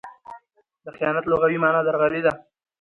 د خیانت لغوي مانا؛ درغلي ده.